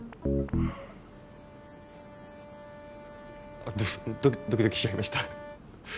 あドキドキしちゃいました。